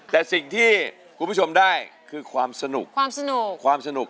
แต่สิ่งที่คุณผู้ชมได้คือความสนุก